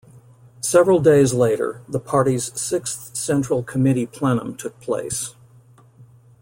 Several days later the party's Sixth Central Committee plenum took place.